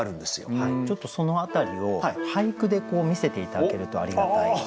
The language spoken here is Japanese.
ちょっとその辺りを俳句で見せて頂けるとありがたい。